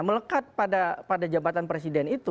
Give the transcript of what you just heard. melekat pada jabatan presiden itu